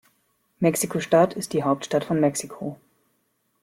Mexiko-Stadt ist die Hauptstadt von Mexiko.